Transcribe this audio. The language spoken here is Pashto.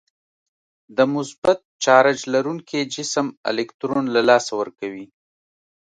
د مثبت چارج لرونکی جسم الکترون له لاسه ورکوي.